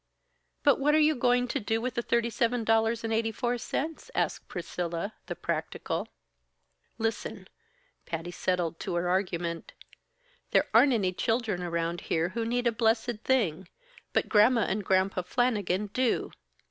"But what are you going to do with the thirty seven dollars and eight four cents?" asked Priscilla, the practical. "Listen!" Patty settled to her argument. "There aren't any children around here who need a blessed thing, but Gramma and Granpa Flannigan do.